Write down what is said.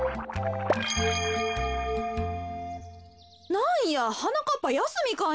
なんやはなかっぱやすみかいな。